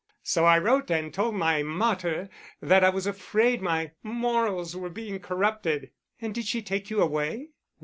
So I wrote and told my mater that I was afraid my morals were being corrupted." "And did she take you away?"